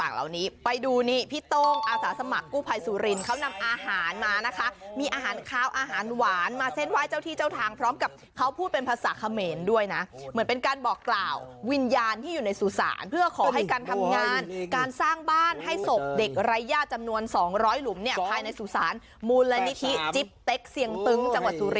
เหล่านี้ไปดูนี่พี่โต้งอาสาสมัครกู้ภัยสุรินเขานำอาหารมานะคะมีอาหารขาวอาหารหวานมาเส้นไหว้เจ้าที่เจ้าทางพร้อมกับเขาพูดเป็นภาษาเขมรด้วยนะเหมือนเป็นการบอกกล่าววิญญาณที่อยู่ในสุสานเพื่อขอให้การทำงานการสร้างบ้านให้ศพเด็กไร้ญาติจำนวนสองร้อยหลุมเนี่ยภายในสุสานมูลนิธิจิ๊บเต็กเสียงตึงจังหวัดสุริ